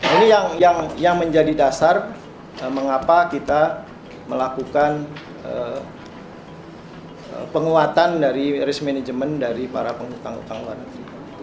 ini yang menjadi dasar mengapa kita melakukan penguatan dari risk management dari para tanggung tanggung